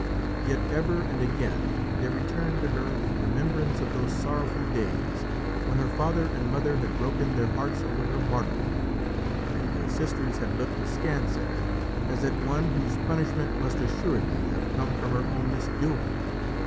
Yet, ever and again, there returned to her the remembrance of those sorrowful days when her father and mother had broken their hearts over her martyrdom, and her sisters had looked askance at her as at one whose punishment must assuredly have come from her own misdoing.